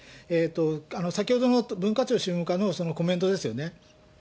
先ほどの文化庁宗務課のコメントですよね。